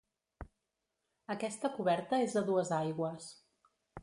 Aquesta coberta és a dues aigües.